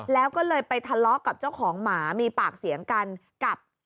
แล้วก็เลยไปทะเลาะกับเจ้าของหมามีปากเสียงกันกับ